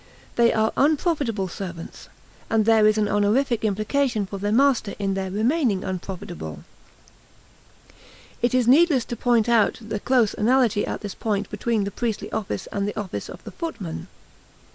They are unprofitable servants, and there is an honorific implication for their master in their remaining unprofitable. It is needless to point out the close analogy at this point between the priestly office and the office of the footman.